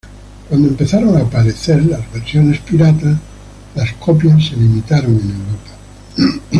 Cuando empezaron a aparecer las versiones pirata, las copias se limitaron en Europa.